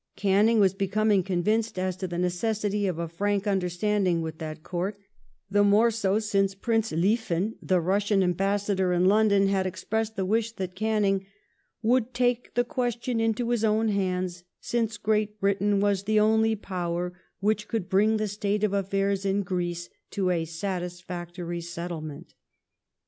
Canning was becoming convinced as to the necesvsity of a frank understanding with that Court, the more so since Prince Lieven, the Russian ambassador in London, had ex pressed the wish that Canning " would take the question into his own hands, since Great Britain was the only Power which could bring the state of affairs in Greece to a satisfactory settlement